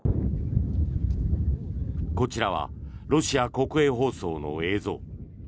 こちらはロシア国営放送の映像。